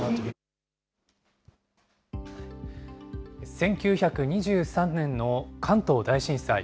１９２３年の関東大震災。